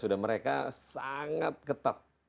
sudah mereka sangat ketat